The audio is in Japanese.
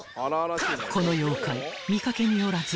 ［この妖怪見掛けによらず］